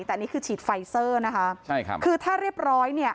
แต่อันนี้คือฉีดไฟเซอร์นะคะใช่ครับคือถ้าเรียบร้อยเนี่ย